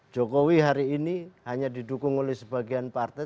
jokowi hari ini hanya didukung oleh sebagian partai